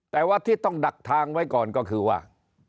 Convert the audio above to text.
แต่ว่าที่ต้องดักทางไว้ก่อนก็คือว่า